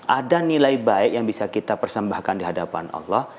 ada nilai baik yang bisa kita persembahkan di hadapan allah